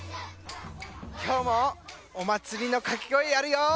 きょうもお祭りのかけごえやるよ！